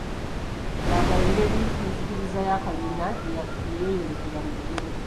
Laga engeri enzikiriza ya Kalinda gye yeeyolekera mu lugero